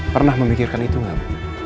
pernah memikirkan itu enggak